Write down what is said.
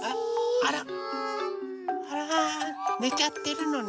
あらねちゃってるのね。